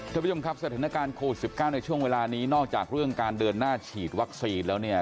ท่านผู้ชมครับสถานการณ์โควิด๑๙ในช่วงเวลานี้นอกจากเรื่องการเดินหน้าฉีดวัคซีนแล้วเนี่ย